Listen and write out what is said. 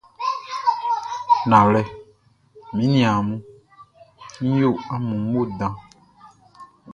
Nanwlɛ, mi niaan mun, n yo amun mo dan.